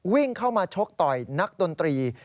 วิ่งเข้ามาชกต่อยนักดนตรี